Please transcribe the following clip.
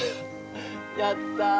やった！